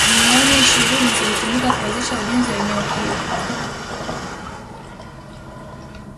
Milioni ishirini zilitumika kuwezesha ujenzi wa eneo hili.